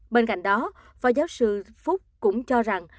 bên cạnh đó phó giáo sư phúc cũng cho rằng